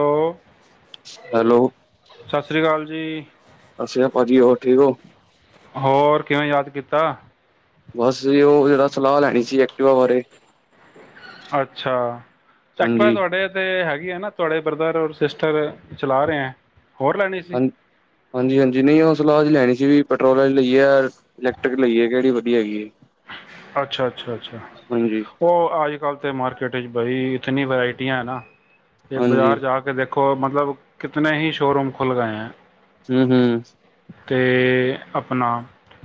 Hello, hello ਸਤਿ ਸ਼੍ਰੀ ਅਕਾਲ ਜੀ। ਸਤਿ ਸ਼੍ਰੀ ਅਕਾਲ ਭਾਜੀ ਹੋਰ ਠੀਕ ਹੋ? ਹੋਰ ਕਿਵੇਂ ਯਾਦ ਕੀਤਾ। ਬਸ ਉਹ ਜਿਹੜਾ ਸਲਾਹ ਲੈਣੀ ਸੀ ਐਕਟਿਵਾ ਬਾਰੇ। ਅੱਛਾ, ਸੈਕਟਰਾ ਹਾਂਜੀ ਤੁਹਾਡੇ ਤੇ ਹੈਗੀ ਹੈ ਨਾ ਤੁਹਾਡੇ ਬ੍ਰਦਰ ਔਰ ਸਿਸਟਰ ਚਲਾ ਰਹੇਂ ਏ। ਹਾਂ ਹਾਂਜੀ ਹਾਂਜੀ ਨਹੀਂ ਉਹ ਸਲਾਹ ਚ ਲੈਣੀ ਸੀ ਵੀ ਪੈਟਰੋਲ ਵਾਲੀ ਲਈਏ ਇਲੈਕਟ੍ਰਿਕ ਲਈਏ ਕਿਹੜੀ ਵਧੀਆ ਹੈਗੀ ਐਂ। ਅੱਛਾ ਅੱਛਾ ਅੱਛਾ ਉਹ ਅੱਜ ਕੱਲ ਤੇ ਮਾਰ ਬਾਈ ਇਤਨੀ ਵਰਾਇਟੀਆਂ ਹੈ ਨਾ! ਤੇ ਹਾਂਜੀ ਬਾਜ਼ਾਰ ਜਾ ਕੇ ਦੇਖ ਕੋ ਮਤਲਬ ਕਿਤਨੇ ਹੀ ਸ਼ੋਰੂਮ ਖੁੱਲ ਗਏ ਹੈਂ। ਹਂ ਹਂ। ਤੇ ਆਪਣਾ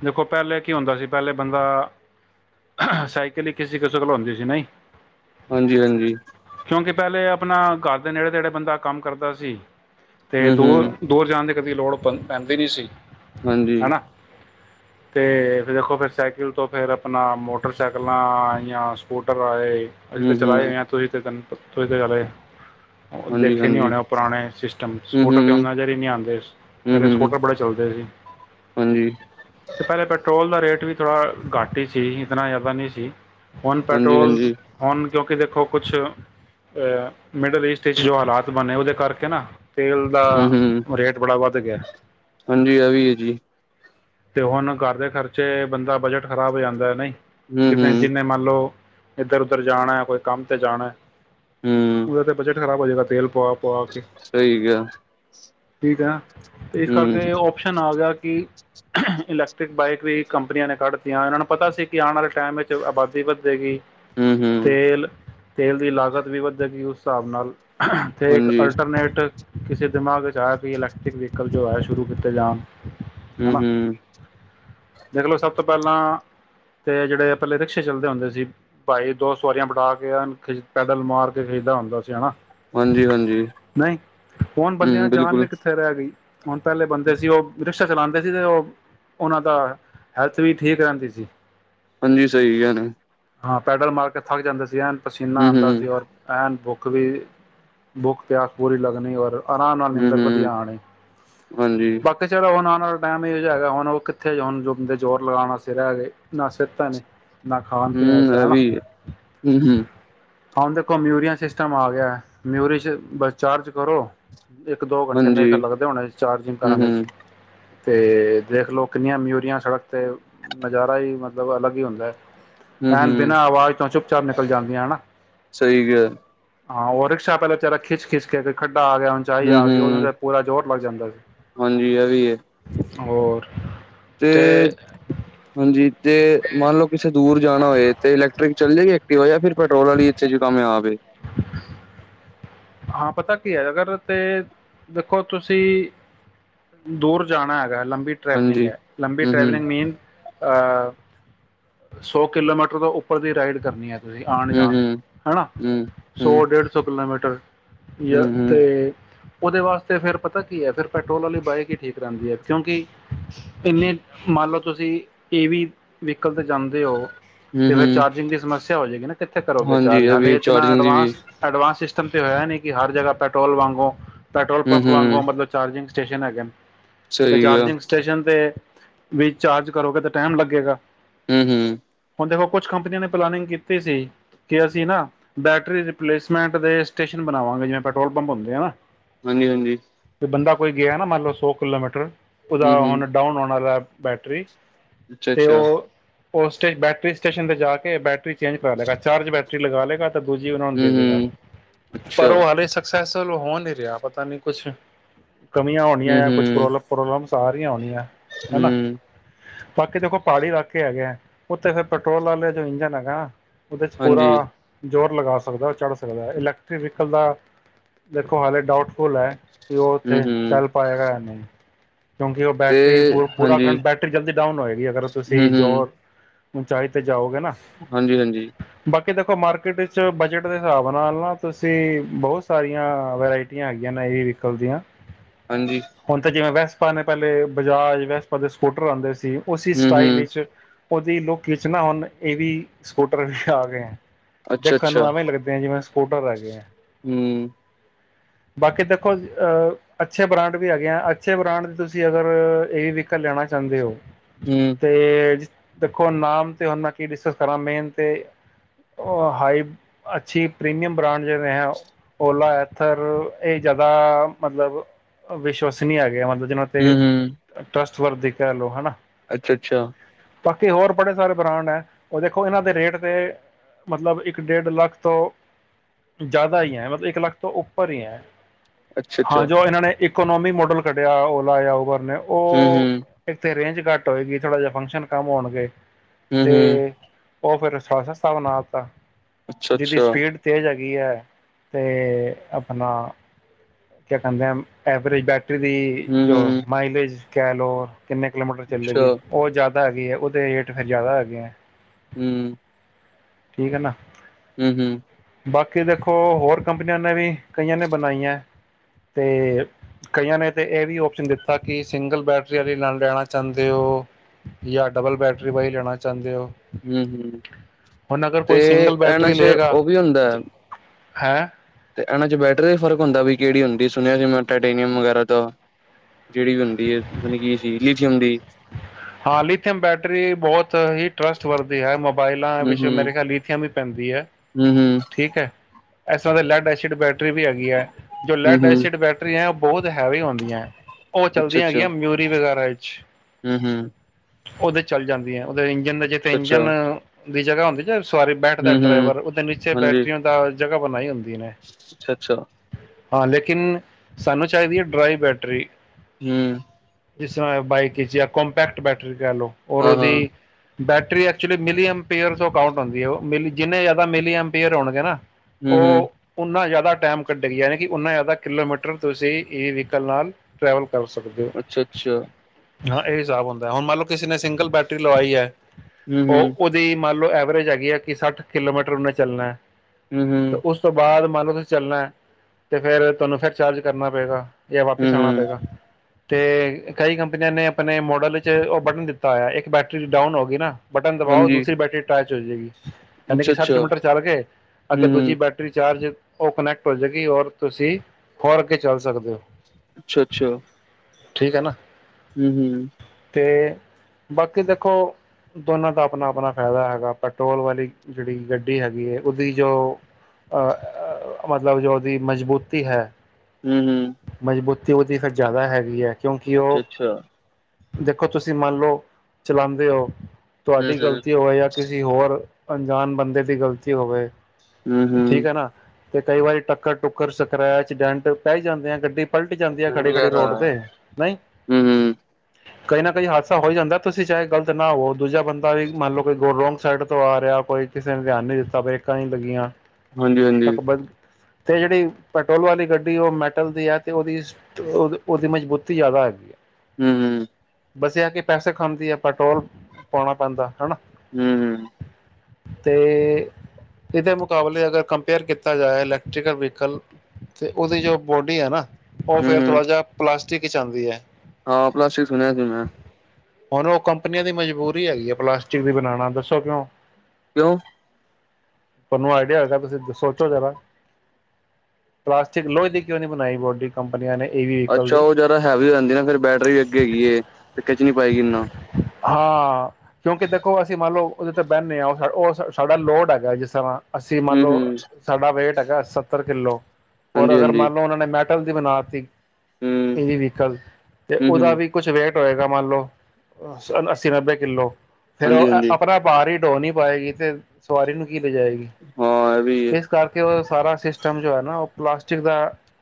ਦੇਖੋ, ਪਹਿਲੇੇ ਕੀ ਹੁੰਦਾ ਸੀ ਪਹਿਲੇ ਬੰਦਾ ਸਾਈਕਲ ਹੀ ਕਿਸੇ-ਕਿਸੇ ਕੋਲ ਹੁੰਦੀ ਸੀ ਨਹੀਂ। ਹਾਂਜੀ ਹਾਂਜੀ। ਕਿਉਂਕਿ ਪਹਿਲੇ ਆਪਣਾ ਘਰ ਦੇ ਨੇੜੇ ਤੇੜੇ ਬੰਦਾ ਕੰਮ ਕਰਦਾ ਸੀ। ਤੇ ਹੂੰ ਹੂੰ ਦੂਰ, ਦੂਰ ਜਾਂਦੇ ਦੀ ਲੋੜ ਪ ਪੈਂਦੀ ਨੀਂ ਸੀ। ਹਾਂਜੀ। ਹਨਾ ਤੇ ਫਿਰ ਦੇਖੋ ਫਿਰ ਸਾਈਕਲ ਤੋਂ ਫਿਰ ਆਪਣਾ ਮੋਟਰਸਾਈਕਲਾਂ ਜਾਂ ਸਕੂਟਰ ਆਏ। ਅਸੀਂ ਤੇ ਹੂੰ ਚਲਾਏ ਹੂੰ ਹੋਏ ਹਾਂ ਤੁਸੀਂ ਤੇ [unintelligible] [unintelligible] ਹਾਂਜੀ ਦੇਖੇ ਨੀ ਹਾਂਜੀ ਹੋਣੇ ਉਹ ਪੁਰਾਣੇ ਸਿਸਟਮ ਹੂੰ ਸਕੂਟਰ ਤੇ ਹੂੰ ਹੁੰਨਾ [unintelligible] ਨਹੀਂ ਆਂਦੇ ਹੂੰ ਪਹਿਲੇ ਹੂੰ ਸਕੂਟਰ ਬੜੇ ਚੱਲਦੇ ਸੀ ਹਾਂਜੀ ਤੇ ਪਹਿਲੇ ਪੈਟਰੋਲ ਰੇਟ ਵੀ ਥੋੜਾ ਘੱਟ ਹੀ ਸੀ ਸੀ ਇਤਨਾ ਜਿਆਦਾ ਨਹੀਂ ਸੀ। ਹੁਣ ਹਾਂਜੀ ਪੈਟਰੋਲ ਹਾਂਜੀ ਹੁਣ ਕਿਉਂਕਿ ਦੇਖੋ ਕੁਛ ਅਹ ਮਿਡਲ ਈਸਟ ਵਿੱਚ ਜੋ ਹਾਲਾਤ ਬਣੇ ਉਹਦੇ ਕਰਕੇ ਨਾ ਤੇਲ ਦਾ ਹੂੰ ਹੂੰ ਰੇਟ ਬੜਾ ਵੱਧ ਗਿਆ ਹਾਂਜੀ ਆ ਵੀ ਹੈ ਜੀ ਤੇ ਹੁਣ ਘਰ ਦੇ ਖਰਚੇ ਬੰਦਾ ਬਜਟ ਖ਼ਰਾਬ ਹੋ ਜਾਂਦਾ। ਨਹੀਂ ਹੂੰ ਹੂੰ ਜਿੱਦਾਂ ਜਿੰਨੇ ਮੰਨ ਲਓ ਇੱਧਰ ਉਧਰ ਜਾਣਾ ਹੈ ਕੋਈ ਕੰਮ ਤੇ ਜਾਣਾ ਹੂੰ ਉਹਦਾ ਤੇ ਬਜਟ ਖਰਾਬ ਉਹ ਜਿਹੜਾ ਤੇਲ ਪੁਆ ਪੁਆ ਕੇ ਸਹੀ ਕਿਹਾ ਠੀਕ ਹੈ ਤੇ ਇਸ ਹੂੰ ਹੂੰ ਕਰਕੇ ਓਪਸ਼ਨ ਆ ਗਿਆ ਕਿ ਇਲੈਕਟ੍ਰਿਕ ਬਾਈਕ ਵੀ ਕੰਪਨੀਆਂ ਨੇ ਕੱਢਤੀਆਂ ਇਹਨਾਂ ਨੂੰ ਪਤਾ ਸੀ ਕਿ ਆਣ ਵਾਲੇ ਟਾਈਮ ਵਿੱਚ ਆਬਾਦੀ ਵੱਧੇਗੀ ਹੂੰ ਹੂੰ। ਤੇਲ ਦੀ ਲਾਗਤ ਵੀ ਵਧੇਗੀ ਉਸ ਹਿਸਾਬ ਨਾਲ ਅਤੇ ਇੱਕ ਹਾਂਜੀ ਅਲਟਰਨੇਟ ਕਿਸੇ ਦਿਮਾਗ ਵਿੱਚ ਆਇਆ ਕਿ ਇਲੈਕਟ੍ਰਿਕ ਵਹੀਕਲ ਜੋ ਹੈ ਸ਼ੁਰੂ ਕੀਤੇ ਜਾਣ ਹੂੰ ਹਨਾ ਹੂੰ ਦੇਖਲੋ ਸਭ ਤੋਂ ਪਹਿਲਾਂ, ਤੇ ਜਿਹੜੇ ਪਹਿਲੇ ਰਿਕਸ਼ੇ ਚੱਲਦੇ ਹੁੰਦੇ ਸੀ ਬਾਈ ਦੋ ਸਵਾਰੀਆਂ ਬਿਠਾ ਕੇ ਖਿ ਪੈਡਲ ਮਾਰ ਕੇ ਖਿੱਚਦਾ ਹੁੰਦਾ ਸੀ ਹਨਾ। ਹਾਂਜੀ ਹਾਂਜੀ ਨਹੀਂ ਹੁਣ ਬੰਦਿਆਂ ਹੂੰ ਜਾਨ ਬਿਲਕੁਲ ਵੀ ਕਿੱਥੇ ਰਹਿ ਗਈ ਹੁਣ ਪਹਿਲੇ ਬੰਦੇ ਸੀ ਉਹ ਰਿਕਸ਼ਾ ਚਲਾਂਦੇ ਸੀ ਅਤੇ ਉਹ ਉਹਨਾਂ ਦਾ ਹੈਲਥ ਵੀ ਠੀਕ ਰਹਿੰਦੀ ਸੀ। ਹਾਂਜੀ ਸਹੀ [unintelligible] ਹਾਂ ਪੈਡਲ ਮਾਰ ਕੇ ਥੱਕ ਜਾਂਦੇ ਸੀ ਐ ਪਸੀਨਾ ਹਮ ਆਂਦਾ ਹਮ ਸੀ ਔਰ ਐਨ ਬੁੱਕ [unintelligible] ਭੁੱਖ ਤਿਆਗ ਪੂਰੀ ਲਗਣੀ ਔਰ ਆਰਾਮ ਨਾਲ ਹਮ ਨੀਦਰ ਹਮ ਵਧੀਆ ਆਣੇ ਹਾਂਜੀ ਬਾਕੀ ਚਲੋ ਉਹ ਨਾਲੇ ਟਾਈਮ ਇਹੋ ਜਾ ਹੈਗਾ ਹੁਣ ਉਹ ਕਿੱਥੇ ਹੁਣ ਜੋ ਬੰਦੇ ਜ਼ੋਰ ਲਗਾਉਣਾ ਸਿਰ ਹੈਗੇ ਨਾ ਸਿਹਤਾਂ ਨੇ। ਨਾ ਖਾਣ ਪੀਣ ਹੂੰ ਵਾਸਤੇ ਐ ਹਨਾ ਵੀ ਹੈ ਹੂੰ ਹੂੰ। ਹੁਣ ਦੇਖੋ ਮਿਊਰੀਆਂ ਸਿਸਟਮ ਆ ਗਿਆ ਮਿਊਰੀ ਚ ਬ ਚਾਰਜ ਕਰੋ ਇੱਕ ਦੋ ਘੰਟੇ ਮੇਰੇ ਹਾਂਜੀ ਲੱਗਦੇ ਹੋਣੇ ਚਾਰਜਿੰਗ ਹਮ ਕਰਨ ਵਿੱਚ ਹਮ ਅਤੇ ਦੇਖ ਲਓ ਕਿੰਨੀਆਂ ਮਜ਼ੂਰੀਆਂ ਸੜਕ ਤੇ ਨਜ਼ਾਰਾ ਹੀ ਮਤਲਬ ਅਲੱਗ ਹੀ ਹੁੰਦਾ ਐ। ਹਮ ਐਣ ਹਮ ਬਿਨਾਂ ਆਵਾਜ਼ ਤੋਂ ਚੁ ਚਾਰ ਨਿਕਲ ਜਾਂਦੀਆਂ ਹਨਾ। ਸਹੀ ਕਿਹਾ। ਹਾਂ ਉਹ ਰਿਕਸ਼ਾ ਪਹਿਲੇ ਵਿਚਾਰਾ ਖਿੱਚ-ਖਿੱਚ ਕੇ ਖੱ ਆ ਗਿਆ ਉਚਾਈ ਹਮ ਆ ਗਈ ਉਹਨੂੰ ਹਮ ਤੇ ਪੂਰਾ ਜੋਰ ਲੱਗ ਜਾਂਦਾ ਸੀ। ਹਾਂਜੀ ਇਹ ਵੀ ਐ। ਹੋਰ। ਤੇ ਹਾਂਜੀ ਜੇ ਮੰਨ ਲਓ ਕਿਸੇ ਦੂਰ ਜਾਣਾ ਹੋਏ, ਤੇ ਇਲੈਕਟ੍ਰਿਕ ਚੱਲ ਜਾਏਗੀ ਐਕਟਿਵਾ ਜਾਂ ਫਿਰ ਪੈਟਰੋਲ ਵਾਲੀ ਇੱਥੇ ਜੋ [unintelligible] ਹਾਂ ਪਤਾ ਕੀ ਆ, ਅਗਰ ਤੇ ਦੇਖੋ ਤੁਸੀਂ ਦੂਰ ਜਾਣਾ ਆ। ਲੰਬੀ ਟਰੈਵਲਿੰਗ ਹਾਂਜੀ ਆ, ਲੰਬੀ ਹਮ ਹਮ ਟਰੈਵਲਿੰਗ ਮੀਨ ਆਹ, ਸੌ ਕਿਲੋਮੀਟਰ ਤੋਂ ਉੱਪਰ ਦੀ ਰਾਈਡ ਕਰਨੀ ਆ। ਤੁਸੀਂ ਆਉਣ ਹਮ ਜਾਣ ਹਮ ਹਨਾ, ਹਮ ਹਮ ਸੌ ਡੇਢ ਸੌ ਕਿਲੋਮੀਟਰ ਟ ਜਾਂ ਹਮ ਹਮ ਤੇ ਉਹਦੇ ਵਾਸਤੇ ਫਿਰ ਪਤਾ ਕੀ ਹੈ, ਫਿਰ ਪੈਟਰੋਲ ਵਾਲੀ ਬਾਈਕ ਹੀ ਠੀਕ ਰਹਿੰਦੀ ਹੈ। ਕਿਉਂਕਿ ਇੰਨੇ ਮੰਨ ਲਓ ਤੁਸੀਂ ਏ ਵੀ ਜਾਂਦੇ ਹੋ ਹਮ ਤੇ ਫਿਰ ਹਮ ਚਾਰਜਿੰਗ ਦੀ ਸਮੱਸਿਆ ਹੋ ਜਾਏਗੀ ਨਾ, ਕਿੱਥੇ ਕਰੋਗੇ ਹਾਂਜੀ ਚਾਰਜ ਇਹ ਹਾਲੇ ਵੀ ਇਤਨਾ ਚਾਰਜਿੰਗ ਦੀ ਵੀ ਐਡਵਾਂਸ ਐਡਵਾਂਸ ਸਿਸ ਹੋਇਆ ਨਹੀਂ ਕਿ ਹਰ ਜਗ੍ਹਾ ਪੈਟਰੋਲ ਵਾਂਗੂੰ ਪੈਟਰੋਲ ਹਮ ਪੰਪ ਹਮ ਵਾਂਗੂ, ਮਤਲਬ ਚਾਰਜਿੰਗ ਸਟੇਸ਼ਨ ਹੈਗਾ। ਤੇ ਸਹੀ ਆ ਚਾਰਜਿੰਗ ਸਟੇਸ਼ਨ ਤੇ ਵੀ ਚਾਰਜ ਕਰੋਗੇ ਤੇ ਟਾਈਮ ਲੱਗੇਗਾ। ਹੂੰ ਹੂੰ। ਦੇਖੋ, ਕੁਛ ਕੰਪਨੀਆਂ ਨੇ ਪਲਾਨਿੰਗ ਕੀਤੀ ਸੀ ਕਿ ਅਸੀਂ ਨਾ ਬੈਟਰੀ ਰਿਪਲੇਸਮੈਂਟ ਦੇ ਸਟੇਸ਼ਨ ਬਣਾਵਾਂਗੇ, ਜਿਵੇਂ ਪੈਟਰੋਲ ਪੰਪ ਹੁੰਦੇ ਆ ਨਾ। ਹਾਂਜੀ ਹਾਂਜੀ। ਵੀ ਬੰਦਾ ਕੋਈ ਗਿਆ ਨਾ, ਮੰਨ ਲਓ ਸੌ ਕਿਲੋਮੀਟਰ। ਹਮ ਉਹਦਾ ਹੁਣ ਡਾਊਨ ਹੋਣ ਆਲਾ ਐ। ਬੈਟਰੀ ਤੇ ਅੱਛਾ-ਅੱਛਾ। ਉਹ ਉਹ ਸਟੇ ਬੈਟਰੀ ਸਟੇਸ਼ਨ ਤੇ ਜਾ ਕੇ, ਬੈਟਰੀ ਚੇਂਜ ਕਰਾ ਲਏਗਾ, ਚਾਰਜ ਬੈ ਲਗਾ ਲਏਗਾ ਤਾਂ ਦੂਜੀ ਉਹਨਾ ਨੂੰ ਹਮ ਦੇਵੇਗਾ। ਹਮ ਅੱਛਾ ਪਰ, ਉਹ ਹਲੇ ਸਕਸੇ ਪੈਸ਼ਲ ਹੋ ਨੀ ਰਿਹਾ, ਪਤਾ ਨੀ ਕੁਛ ਕਮੀਆਂ ਹੂੰ ਹੋਣੀਆਂ ਜਾਂ ਕੁਛ ਹੂੰ ਪ੍ਰੋਬਲਮ ਪ੍ਰੋਬਲਮਸ ਸਾਰੀਆਂ ਆਉਣੀਆਂ ਹੂੰ। ਬਾਕੀ ਦੇਖੋ ਪਹਾੜੀ ਇਲਾਕੇ ਹੈਗੇ ਆ, ਉੱਥੇ ਫਿਰ ਪੈਟਰੋਲ ਵਾਲੇ ਜੋ ਇੰਜਨ ਹੈਗਾ ਉਹਦੇ ਚ ਪੂਰਾ ਹਾਂਜੀ ਜ਼ੋਰ ਲਗਾ ਸਕਦਾ। ਚੜ੍ਹ ਸਕਦਾ ਇਲੈਕ- ਤੇ ਵੀਕਲ ਦਾ ਵੇਖੋ ਹਾਲੇ ਡਾਊਟਫੁੱਲ ਐ। ਕਿ ਉਹ ਹੂੰ ਉੱਥੇ ਹੂੰ ਚੱਲ ਪਾਏਗਾ ਜਾਂ ਨਈਂ। ਕਿਉਂਕਿ ਉਹ ਤੇ ਬੈਟਰੀ ਪ ਪੂਰਾ ਹਾਂਜੀ ਕਰੰਟ ਬੈਟਰੀ ਜਲਦੀ ਡਾਊਨ ਹੋਏਗੀ। ਅਗਰ ਹੂੰ ਤੁਸੀਂ ਹੂੰ ਜ਼ੋਰ ਊਚਾਈਂ ਤੇ ਜਾਓਗੇ ਨਾ। ਹਾਂਜੀ ਹਾਂਜੀ ਬਾਕੀ ਕੇ ਦੇਖੋ ਮਾਰਕੀਟ ਵਿੱਚ ਬਜਟ ਦੇ ਹਿਸਾਬ ਨਾਲ ਨਾ ਤੁਸੀਂ ਬਹੁਤ ਸਾਰੀਆਂ ਵਰਾਇਟੀਆਂ ਹੈਗੀਆਂ ਨੇ ਇਹੀ ਵੀਕਲ ਦੀਆਂ ਹਾਂਜੀ ਹੁਣ ਤਾਂ ਜਿਵੇਂ ਬਸ ਪਹਿਲੇ-ਪਹਿਲੇ ਬਜਾਜ, ਵੈਸਪਾ ਦੇ ਸਕੂਟਰ ਆਂਦੇ ਸੀ। ਉਸੀ ਹੂੰ ਸਟਾਈਲ ਹੂੰ ਇੱਚ ਓਦੀ ਲੁਕ ਵਿਚ ਈ ਨਾਂ ਹੁਣ ਇਹ ਵੀ ਸਕੂਟਰ ਵੀ ਆ ਗਿਐ। ਅੱਛਾ ਦੇਖਣ ਨੂੰ ਅੱਛਾ ਐਵੇਂ ਲੱਗਦੇ ਆ ਜਿਵੇਂ ਸਕੂ ਹੈਗੇ ਐ। ਹਂ ਬਾਕੀ ਦੇਖੋ ਅਹ ਅੱਛੇ ਬ੍ਰਾਂਡ ਵੀ ਹੈਗੇ ਆ। ਅੱਛੇ ਬ੍ਰਾਂਡ ਦੇ ਤੁਸੀਂ ਅਗਰ ਈ ਵਿਕਲ ਲੈਣਾ ਚਾਹੁੰਦੇ ਓ ਹੂੰ ਤੇ ਜਿ ਦੇਖੋ ਨਾਮ ਤੇ ਹੁਣ ਮੈਂ ਕੀ ਡਿਸਕਸ ਕਰਾਂ। ਮੇਨ ਤੇ ਹਾਈ ਅੱਛੀ ਪ੍ਰੀਮੀਅਮ ਬ੍ਰਾਂਡ ਜਿਹੜੇ ਹੈ ਓਲਾ, ਐਥ ਇਹ ਜਿਆਦਾ ਮਤਲਬ ਵਿਸ਼ਵਸਨੀਏ ਹੈਗੇ ਮਤਲਬ ਜਿਨ੍ਹਾਂ ਤੇ ਹੂੰ ਹੂੰ ਟੱਰਸ ਵਰਦੀ ਕਹਿ ਲਓ ਹੈਨਾਂ। ਅੱਛਾ ਅੱਛਾ। ਬਾਕੀ ਹੋਰ ਬੜੇ ਸਾਰੇ ਬ੍ਰਾਂਡ ਐ। ਉਹ ਦੇਖੋ ਇਹਨਾਂ ਦੇ ਰੇਟ ਤੇ ਮਤਲਬ ਇੱਕ ਡੇਢ ਲੱਖ ਤੋਂ ਜ਼ਿਆਦਾ ਈ ਐ। ਮਤਲਬ ਇੱਕ ਲੱਖ ਤੋਂ ਉਪ ਪਰ ਈ ਹੈ। ਅੱਛਾ ਅੱਛਾ ਹਾਂ, ਜੋ ਇਹਨਾਂ ਨੇ ਇਕੋਨੋਮੀਕ ਮੋਡਲ ਕੱਢਿਆ ਓਲਾ ਜਾਂ ਉਬਰ ਓ ਹੂੰ ਹੂੰ ਇੱਕ ਤੇ ਰੇਂਜ ਘੱਟ ਹੋਏਗੀ। ਥੋੜ੍ਹਾ ਜਿਹਾ ਫੰਕਸ਼ਨ ਕੰਮ ਹੋਣਗੇ। ਹੂੰ, ਅਤੇ ਹੂੰ। ਉਹ ਫੇਰ ਸ ਸਸਤਾ ਬਣਾਤਾ ਅੱਛਾ ਜਿਹਦੀ ਅੱਛਾ ਸਪੀਡ ਤੇਜ਼ ਹੈਗੀ ਈ ਐ ਤੇ ਅਪ ਪਨਾ ਕਿਆ ਕਹਿੰਦਾ ਆ ਐਵਰੇਜ ਬੈਕ ਟਰੀ ਹੂੰ ਜੋ ਹੂੰ ਮਾਈਲੇਜ ਕੈ ਲੋ। ਕਿੰਨੇ ਕਿਲੋਮੀਟਰ ਅੱਛਾ ਚੱਲੇਗੀ। ਉਹ ਜ਼ਿਆਦ ਹੈ ਗਈ ਹੈ ਉਹਦੇ ਰੇਟ ਫੇਰ ਜਿਆਦਾ ਹੈਗੇ ਐ। ਹਂ। ਠੀਕ ਹੈ ਨਾ। ਹਂ, ਹਂ। ਬਾਕੀ ਦੇਖੋ ਹੋਰ ਕੰਪਨੀਆਂ ਨੇ ਵੀ ਕਈਆਂ ਨੇ ਬਣਾਈਆਂ। ਤੇ ਕਈਆਂ ਨੇ ਤੇ ਇਹ ਵੀ ਓਪਸ਼ਨ ਦਿੱਤਾ ਕਿ ਸਿੰਗਲ ਬੈਟਰੀ ਵਾਲੀ ਲ ਲੈਣਾ ਚਾਹੁੰਦੇ ਹੋ ਯਾ ਡਬਲ ਬੈਟਰੀ ਵਾਲੀ ਲੈਣਾ ਚਾਹੁੰਦੇ ਹੋ। ਹਮ, ਹਮ ਹੁਣ ਅਗਰ ਤੇ ਕੋਈ ਸਿੰਗਲ ਇਹਨਾਂ ਬੈਟਰੀ ਚ ਲਏਗਾ ਉਹ ਵੀ ਹੁੰਦਾ ਐ ਹੈਂ! ਤੇ ਇਹਨਾਂ ਚ ਬੈਟਰ ਫਰਕ ਹੁੰਦਾ ਵੀ ਕਿਹੜੀ ਹੁੰਦੀ ਸੁਣਿਆ ਸੀ ਮੈਂ ਟਟੇਨੀਅਮ ਵਗੈਰਾ ਦਾ ਜਿਹੜੀ ਵੀ ਹੁੰਦੀ ਪਤਾ ਨਹੀਂ ਕੀ ਚੀਜ ਲਿਥਅਮ ਦੀ ਹਾਂ ਲਿਥੀਅਮ ਬੈਟਰੀ ਬਹੁਤ ਹੀ ਟਰੱਸਟ ਵਰਦੀ ਹੈ ਬਾਇਲਾਂ ਹੂੰ ਵਿੱਚ ਹੂੰ ਮੇਰੇ ਖਿਆਲ ਲੀਥਮ ਵੀ ਪੈਂਦੀ ਐ, ਹੂੰ ਹੂੰ ਠੀਕ ਐ। ਇਸ ਤਰ੍ਹਾਂ ਦੇ ਲੈਡ ਏਸਿਡ ਬੈਡ ਰੀ ਵੀ ਹੈਗੀ ਐਂ, ਜੋ ਹੂੰ ਲੈਡ ਹੂੰ ਐਸਿਡ ਬੈਟਰੀ ਐ ਉਹ ਹੈ ਵੀ ਹੁੰਦੀਆਂ ਉਹ ਚਲਦੀਆਂ ਅੱਛਾ-ਅੱਛਾ, ਹੈਗੀਆਂ ਮਊਰੀ ਵਗੈਰਾ ਇੱਚ। ਹੂੰ-ਹੂੰ, ਉਹ ਤੇ ਚਲ ਜਾਂਦੀਆਂ। ਇੰਜਨ ਦਾ ਜਿੱਥੇ ਅੱਛਾ-ਅੱਛਾ, ਇੰਜਨ [unintelligible] ਸੋਰੀ ਬੈਠਦਾ ਹੂੰ-ਹੂੰ, ਡਰਾਈਵਰ ਉਹਦੇ ਨੀਚੇ ਬੈਟਰੀਆਂ ਦਾ ਜਗਾ ਬਣਾਈ ਹੁੰ ਅੱਛਾ, ਅੱਛਾ। ਹਾਂ ਲੇਕਿਨ ਸਾਨੂੰ ਚਾਈਦੀ ਐ ਡਰਾਈ ਬੈਟਰੀ। ਹਂ। ਜਿਸ ਰਾਂ ਬਾਈਕ ਕਿਚ ਐ ਕੋਮ ਪੈਕਟ ਬੈਟਰੀ। ਕਹਿ ਲਓ ਔਰ ਹਾਂ-ਹਾਂ, ਉਹਦੀ ਬੈਟਰੀ ਐ [unintelligible] ਕਾਊਂਟ ਹੁੰਦੀ ਹੈ ਉਹ ਮਿਲੀ ਜਿੰਨੇ ਜ਼ਿਆਦਾ ਮਿਲੀ ਐਪੀਅਰ ਹੋਣਗੇ ਨਾ ਹੂੰ-ਹੂੰ, ਉਹ ਓਨਾ [unintelligible] [unintelligible] ਟੈਮ ਕੱਢੇਗੀ ਯਾਨੀ ਕਿ ਉਨਾ ਜ਼ਿਆਦਾ ਕਿਲੋਮੀਟਰ ਤੁਸੀਂ ਇਹ ਵਹੀਕਲ ਨਾਲ ਟਰੈਵਲ ਕਰ ਸਕਦੇ ਹੋ ਅੱਛਾ-ਅੱਛਾ। ਹਾਂ ਇਹ [unintelligible] ਹੁੰਦਾ ਹੁਣ ਮੰਨ ਲਓ ਕਿਸੇ ਨੇ ਸਿੰਗਲ ਬੈਟਰੀ ਲਵਾਈ ਹੈ ਉਹ ਹੂੰ-ਹੂੰ, ਉਹਦੀ ਮੰਨ ਲਓ ਐ ਅਵਰੇਜ ਹੈਗੀ ਹੈ ਕਿ ਸੱਠ ਕਿਲੋਮੀਟਰ ਉਹਨੇ ਚੱਲਨਾ। ਹੂੰ-ਹੂੰ, ਤੇ ਉਸ ਤੋਂ ਬਾਅਦ ਮਨ [unintelligible] ਚੱਲਣਾ ਤੇ ਫੇਰ ਤੁਹਾਨੂੰ ਫੇਰ ਚਾਰਜ ਕਰਨਾ ਪਏਗਾ ਜਾਂ ਵਾਪਿਸ ਆਉਣਾ ਹੂੰ-ਹੂੰ, ਪਏਗਾ ਤੇ ਕਈ ਕੰਪਨੀਆਂ ਨੇ ਆਪਣੇ ਮੋ [unintelligible] ਚ ਉਹ ਬਟਨ ਦਿੱਤਾ ਹੋਇਆ ਇੱਕ ਬੈਟਰੀ ਡਾਊਨ ਹੋਗੀ ਨਾ ਬਟਨ ਦਬਾਓ ਹਾਂਜੀ, [unintelligible] [unintelligible] ਯਾਨੀ ਕਿ ਸੱਠ ਅੱਛਾ-ਅੱਛਾ, ਕਿਲੋਮੀਟਰ ਚੱਲ ਕੇ ਅੱਗੇ ਦੂਜੀ ਹੂੰ-ਹੂੰ, ਬੈਟਰੀ ਚਾਰਜ ਉਹ ਕਨੈਕਟ ਹੋਜੇਗੀ ਔਰ ਤੁਸੀਂ ਹੋੋਰ ਅੱਗੇ ਚੱਲ ਸਕਦੇ ਹੋ ਅੱਛਾ ਅੱਛਾ ਠੀਕ ਹੈ ਨਾ [unintelligible] ਤੇ ਬਾਕੀ ਦੇਖੋ ਦੋਨਾਂ ਦਾ ਆਪਣਾ ਆਪਣਾ ਫ਼ਾਇਦਾ ਹੈਗਾ ਪੈਟਰੋਲ ਵਾਲੀ ਜਿਹੜੀ ਗੱਡੀ ਹੈਗੀ ਹੈ ਉਹਦੀ ਜੋ ਅਹ ਮਤਲਬ ਜੋ ਉਹਦੀ ਮਜ਼ਬੂਤੀ ਹੈ [unintelligible] [unintelligible] ਜ਼ਿਆਦਾ ਹੈਗੀ ਹੈ ਕਿਉਂਕਿ ਅੱਛਾ ਉਹ ਅੱਛਾ ਦੇਖੋ ਤੁਸੀਂ ਮੰਨ ਲਓ ਚਲਾਉਂਦੇ ਹੋ ਤੁਹਾਡੀ ਹੂੰ-ਹੂੰ, ਗ਼ਲਤੀ ਹੋਵੇ ਜਾਂ ਕਿਸੇ ਹੋਰ ਅਣਜਾਾਨ ਬੰਦੇ ਦੀ ਗ਼ਲਤੀ ਹੋਵੇ ਹੂੰ-ਹੂੰ, ਠੀਕ ਹੈ ਨਾ ਤੇ ਕਈ ਵਾਰੀ ਟੱਕਰ ਟੁੱਕਰ ਸਕ੍ਰੈਚ ਡੈਂਟ ਪੈ ਜਾਂਦੇ ਆ ਗੱਡੀ ਪਲਟ ਜਾਂਦੀ ਹੈ ਖੜੇ ਹਾਂਜੀ ਐ ਖੜੇ ਤਾਂ ਰੋਡ ਤੇ ਹੈ, ਨਹੀਂ ਹੂੰ-ਹੂੰ, ਕਈ ਨਾ ਕਈ ਹਾਦਸਾ ਹੋ ਜਾਂਦਾ ਤੁਸੀਂ ਚਾਹੇ ਗ਼ਲਤ ਨਾ ਹੋ ਦੂਜਾ ਬੰਦਾ ਵੀ ਮੰਨ ਲਓ ਕੋਈ [unintelligible] ਰੋਂਗ ਸਾਈਡ ਤੋਂ ਆ ਰਿਹਾ ਕੋਈ ਕਿਸੇ ਧਿਆਨ ਨੀ ਦਿੱਤਾ ਬਰੇਕਾਂ ਨੀ ਲੱਗੀਆਂ ਹਾਂਜੀ ਹਾਂਜੀ ਤੇ ਜਿਹੜੀ ਪੈਟਰੋਲ ਵਾਲੀ ਗੱਡੀ ਉਹ ਮੈਟਲ ਦੀ ਹੈ ਅਤੇ ਉਹਦੀ ਉਹ ਉਹਦੀ ਮਜ਼ਬੂਤੀ ਜ਼ਿਆਦਾ ਹੈਗੀ ਹੈ ਹਮ ਹਮ ਬਸ ਆ ਕੇ ਪੈਸੇ ਖਾਂਦੀ ਆ ਪੈਟਰੋਲ ਪਾਉਣਾ ਪੈਂਦਾ ਹਨਾ ਹਮ ਹਮ ਤੇ ਇਹਦੇ ਮੁਕਾਬਲੇ ਅਗਰ ਕੰਪੇਅਰ ਕੀਤਾ ਜਾਏ ਇਲੈਕਟ੍ਰੀਕਲ ਵਹੀਕਲ ਤੇ ਉਹਦੀ ਜੋ ਬੋਡੀ ਹੈ ਨਾ ਉਹ ਫੇਰ ਹੂੰ-ਹੂੰ, ਥੋੜਾ ਜਿਹਾ ਪਲਾਸਟ ਕ ਚਾਹਦੀ ਹੈ [unintelligible] ਹਾਂ ਪਲਾਸਟਿਕ ਸੁਣੀਆ ਸੀ ਮੈਂ ਹੁਣ ਉਹ ਕੰਪਨੀਆਂ ਦੀ ਮਜਬੂਰੀ ਹੈਗੀ ਆ ਪਲਾਸਟਿਕ ਦੀ ਬਣਾਉਣਾ ਦੱਸੋ ਕਿਉਂ ਕਿਉਂ ਤੁਹਾਨੂੰ ਆਈਡੀਆ ਲਗਾ ਤੁਸੀਂ ਸੋਚੋ ਜ਼ਰਾ ਪਲਾਸਟਿਕ ਲੋਹੇ ਦੀ ਕਿਉਂ ਨੀ ਬਣਾਈ ਬੋਡੀ ਕੰਪਨੀਆਂ ਨੇ ਈਵੀ ਵਹੀਕਲ ਅੱਛਾ ਦੀ ਉਹ ਜ਼ਿਆਦਾ ਹੈਵੀ ਹੋ ਜਾਂਦੀਆਂ ਨਾ ਫ਼ਿਰ ਬੈਟਰੀ ਵੀ ਗੀ ਇਹ ਤੇ ਕੱਚ ਨ ਪਾਏਗੀ ਇਨਾ [unintelligible] ਹਾਂ ਕਿਉਂਕਿ ਦੇਖੋ ਅਸੀਂ ਮੰਨ ਲਓ ਉਹਦੇ ਤੇ ਬਹਿੰਨਦੇ ਹਾਂ ਉਹ ਉਹ ਸਾਡਾ ਲੋਡ ਹੈਗਾ ਜਿਸ ਤਰ੍ਹਾਂ ਅਸੀਂ ਮੰਨ ਲਓ ਹੂੰ-ਹੂੰ, ਸਾਡਾ ਵੇਟ ਸੱਤਰ ਕਿੱਲੋ ਔਰ ਅਗਰ ਹਾਂਜੀ-ਹਾਂਜੀ, ਮੰਨ ਲਓ ਉਹਨਾਂ ਨੇ ਮੈ ਟਲ ਦੀ ਮਨਾ ਸੀ ਹੂੰ। [unintelligible] ਇਹ ਵਹਿਕਲ ਤੇ ਉਹਦਾ ਹੂੰ-ਹੂੰ, ਵੀ ਕੁਛ ਵੇਟ ਹੋਏਗਾ ਮੰਨ ਲਓ ਅੱਸੀ ਨੱਬੇ ਕਿੱਲੋ ਫਿਰ ਉਹ ਹਾਂਜੀ-ਹਾਂਜੀ, ਆਪਣਾ ਬਾਹਰ ਹੀ ਢੋ ਨਹੀਂ ਪਾਏਗੀ ਤੇ ਸਵਾਰੀ ਨੂੰ ਕੀ ਬਜਾਏਗੀ ਹਾਂ ਇਹ ਵੀ ਹੈ ਇਸ ਕਰਕੇ ਉਹ ਸਾਰਾ ਸਿਸਟਮ ਜੋ ਹੈ ਨਾ ਉਹ ਪਲਾਸਟਿਕ ਦਾ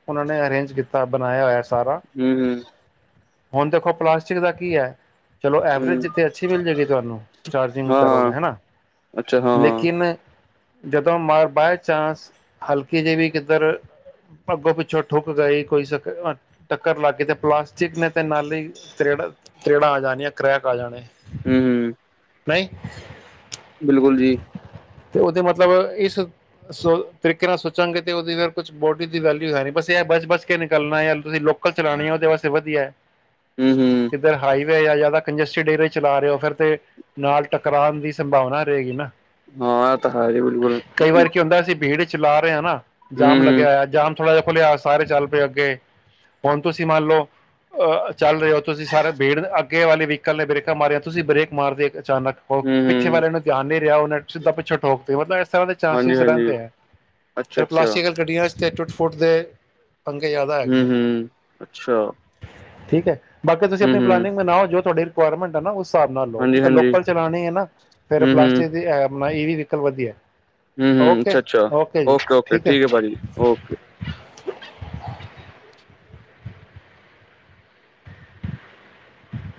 ਉਹਨਾਂ ਨੇ ਅਰੇਂਜ ਕੀਤਾ ਬਣਾਇਆ ਹੋਇਆ ਸਾਰਾ ਹਮ ਹਮ ਹੁਣ ਦੇਖੋ ਪਲਾਸਟਿਕ ਦਾ ਕੀ ਹੈ ਚਲੋ ਐਵਰੇਜ ਹੂੰ ਜਿੱਥੇ ਅੱਛੀ ਮਿਲ ਜਾਵੇਗੀ ਤੁਹਾਨੂੰ ਚਾਰਜਿੰਗ ਕਰੋਗਾ ਹਾਂ-ਹਾਂ, ਹੈ ਨਾ ਅੱਛਾ ਹਾਂ-ਹਾਂ, ਲੇਕਿਨ ਜਦੋਂ ਮ ਬਾਏ ਚਾਂਸ ਹਲਕੀ ਜਿਹੀ ਵੀ ਕਿੱਧਰ ਅੱਗੋਂ ਪਿੱਛੋਂ ਠੁੱਕ ਗਏ ਕੋਈ ਟੱਕਰ ਲੱਗ ਗਈ ਤੇ ਪਲਾਸ ਚਿਕਨੇ ਅਤੇ ਨਾਲੇ ਤ੍ਰੇੜ ਤ੍ਰੇੜਾਂ ਆ ਜਾਣੀਆਂ ਕਰੈਕ ਆ ਜਾਣੇ ਹਮ ਹਮ ਨਹੀਂ ਬਿਲਕੁਲ ਜੀ ਤੇ ਉਹਦੇ ਮਤਲਬ ਇਸ ਸੋ ਤਰੀਕੇ ਨਾਲ ਸੋਚਾਂਗੇ ਤੇ ਉਹਦੀ ਫਿਰ ਕੁਛ ਬੋਡੀ ਦੀ ਵੈਲਿਊ ਹੈ ਨਹੀਂ ਬਸ ਇਹ ਬਚ ਬਚ ਕੇ ਨਿਕਲਣਾ ਜਾਂ ਤੁਸੀਂ ਲੋਕਲ ਚਲਾਉਣੀ ਹੈ ਉਹਦੇ ਵਾਸਤੇ ਵਧੀਆ ਹੈ ਹਮ ਹਮ ਕਿੱਧਰ ਹਾਈਵੇ ਜਾਂ ਜ਼ਿਆਦਾ ਕੰਜਸਟਿਡ ਏਰੀਆ ਚਲਾ ਰਹੇ ਹੋ ਫਿਰ ਤੇ ਨਾਲ ਟਕਰਾਉਣ ਦੀ ਸੰਭਾਵਨਾ ਰਹੇਗੀ ਨਾ ਹਾਂ ਤਾਂ ਹੈ ਹੀ ਬਿਲਕੁਲ ਕਈ ਵਾਰ ਕੀ ਹੁੰਦਾ ਅਸੀਂ ਭੀੜ ਚਲਾ ਰਹੇ ਨਾ ਜਾਮ ਹੂੰ-ਹੂੰ, ਲਗਿਆ ਆਇਆ ਜਾਮ ਥੜਾ ਜਿਹਾ ਖੋਲਿਆ ਸਾਰੇ ਚੱਲ ਪਏ ਅੱਗੇ ਹੁਣ ਤੁਸੀਂ ਮੰਨ ਲਓ ਅਹ ਚੱਲ ਰਹੇ ਹੋ ਤੁਸੀਂ ਸਾਰੇ ਬੀੜ ਅੱਗੇ ਵਾਲੇ ਵਹੀਕਲ ਨੇ ਬ੍ਰੇਕਾਂ ਮਾਰੀਆਂ ਤੁਸੀਂ ਬ੍ਰੇਕ ਮਾਰਦੇ ਅਚਾਨਕ ਉਹ ਪਿੱਛੇ ਹੂੰ-ਹੂੰ, ਵਾਲਿਆਂ ਨੂੰ ਧਿਆਨ ਨਹੀਂ ਦਿਆ ਉਹਨੇ ਸਿੱਧਾ ਪਿੱਛੋਂ ਠੋਕ ਤੀ ਮਤਲਬ ਇਦਾਂ ਦੇ ਚਾਂਸਿਸ ਹਾਂਜੀ-ਹਾਂਜੀ, ਰਹਿੰਦੇ ਹੈ ਅੱਛਾ-ਅੱਛਾ, ਪਲਾਸਟਿਕ ਗੱਡੀਆਂ [unintelligible] ਫੁੱਠਦੇ ਹੂੰ ਹੂੰ ਅੱਛਾ। ਹਾਂ, ਠੀਕ ਹੈ ਬਾਕੀ ਤੁਸੀਂ ਆਪਣੀ ਪਲੈਨਿੰੰ‍ਗ ਬਣਾਓ ਜੋ ਤੁਹਾਡੇ ਗੌਰਮਟ ਆ ਨਾ ਉਸ ਹਿਸਾਬ ਨਾਲ ਲਓ ਠੀਕ ਹੈ ਹਾਂਜੀ-ਹਾਂਜੀ, ਲੋਕਲ ਚਲਾਣੀ ਹੈ ਨਾ ਫੇਰ ਹੂੰ-ਹੂੰ, ਪਲਾਸਟਿਕ ਦੀ ਨਾ ਇਹ ਵੀ ਵਹੀਕਲ ਵਧੀਆ। ਹੂੰ ਹੂੰ, ਅੱਛਾ ਅੱਛਾ ਓਕੇ ਓਕੇ ਠੀਕ ਹੈ ਭਾਜੀ ਓਕੇ। ਹੂੰ।